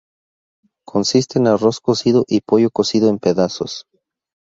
Consiste en arroz cocido y pollo cocido en pedazos.